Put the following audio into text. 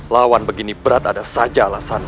lawan begini berat ada saja alasannya